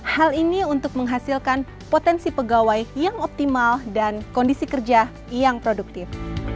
hal ini untuk menghasilkan potensi pegawai yang optimal dan kondisi kerja yang produktif